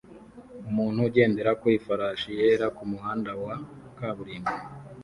Umuntu ugendera ku ifarashi yera kumuhanda wa kaburimbo